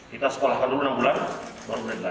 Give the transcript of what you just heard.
kita sekolahkan dulu enam bulan baru mereka